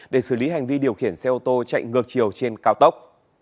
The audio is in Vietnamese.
để xử lý hành vi điều khiển xe ô tô chạy ngược chiều trên cao tốc